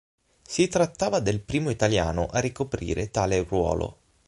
Si trattava del primo italiano a ricoprire tale ruolo.